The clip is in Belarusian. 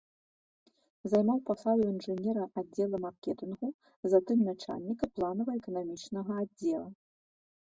Займаў пасаду інжынера аддзела маркетынгу, затым начальніка планава-эканамічнага аддзела.